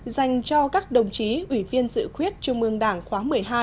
dành cho các đồng chí ủy viên dự khuyết trung ương đảng khóa một mươi hai